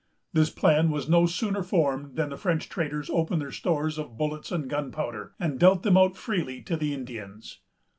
This plan was no sooner formed than the French traders opened their stores of bullets and gunpowder, and dealt them out freely to the Indians.